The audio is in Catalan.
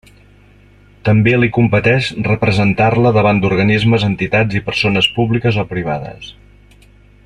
També li competeix representar-la davant d'organismes, entitats i persones públiques o privades.